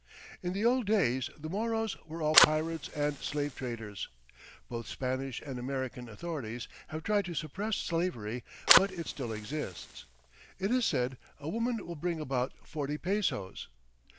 In the old days the Moros were all pirates and slave traders. Both Spanish and American authorities have tried to suppress slavery, but it still exists. It is said a woman will bring about forty pesos.